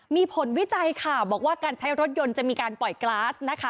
มีผลวิจัยค่ะบอกว่าการใช้รถยนต์จะมีการปล่อยกลาสนะคะ